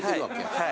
はい。